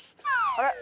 あれ？